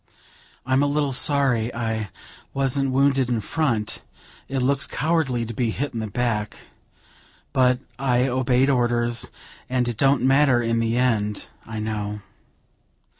I'm a little sorry I wasn't wounded in front; it looks cowardly to be hit in the back, but I obeyed orders, and it don't matter in the end, I know."